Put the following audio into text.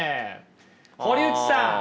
堀内さん